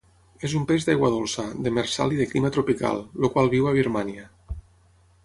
És un peix d'aigua dolça, demersal i de clima tropical, el qual viu a Birmània.